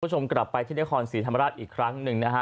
คุณผู้ชมกลับไปที่นครศรีธรรมราชอีกครั้งหนึ่งนะฮะ